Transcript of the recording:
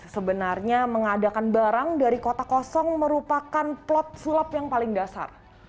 sebenarnya mengadakan barang dari kota kosong merupakan plot sulap yang paling dasar